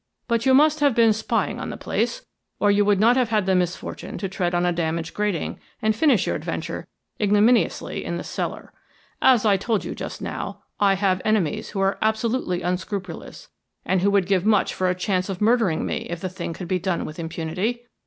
But you must have been spying on the place, or you would not have had the misfortune to tread on a damaged grating, and finish your adventure ignominiously in the cellar. As I told you just now, I have enemies who are absolutely unscrupulous, and who would give much for a chance of murdering me if the thing could be done with impunity.